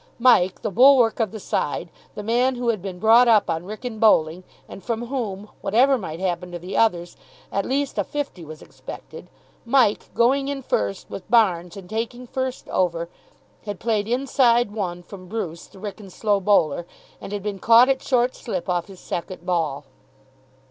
Mike, the bulwark of the side, the man who had been brought up on Wrykyn bowling, and from whom, whatever might happen to the others, at least a fifty was expected Mike, going in first with Barnes and taking first over, had played inside one from Bruce, the Wrykyn slow bowler, and had been caught at short slip off his second ball.